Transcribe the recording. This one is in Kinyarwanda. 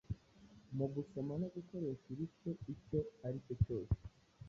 Mugusoma nogukoresha igice icyo aricyo cyose